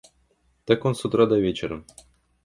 Так он с утра до вечера.